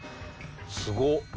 すごっ。